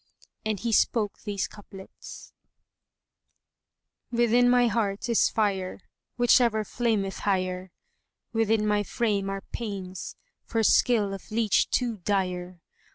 And he spoke these couplets, "Within my heart is fire * Whichever flameth higher; Within my frame are pains * For skill of leach too dire.